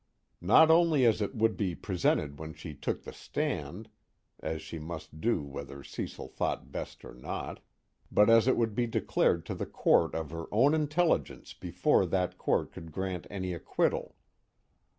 Not only as it would be presented when she took the stand (as she must do whether Cecil thought best or not) but as it would be declared to the court of her own intelligence before that court could grant any acquittal.